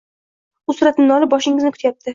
U suratimni olib borishingizni kutyapti